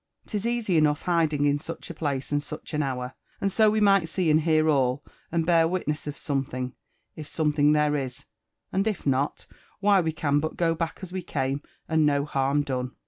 'Tiseasy enough hiding in sut;h a place and such an hour ; and so we might see and hear all, and bear witness of something, if something there is ; and if not, why we can but go back as we came, and no harm done."